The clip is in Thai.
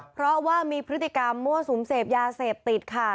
เพราะว่ามีพฤติกรรมมั่วสุมเสพยาเสพติดค่ะ